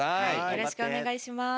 よろしくお願いします。